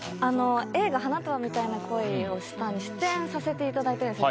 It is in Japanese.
映画「花束みたいな恋をした」に出演させていただいたんですよ。